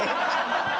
ハハハハ！